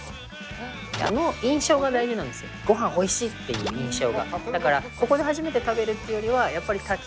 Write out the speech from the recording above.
ごはんおいしいっていう印象が。